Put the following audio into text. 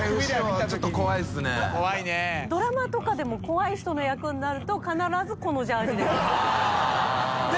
観月）ドラマとかでも怖い人の役になるとこのジャージですね。